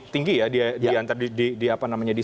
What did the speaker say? tinggi ya diantar di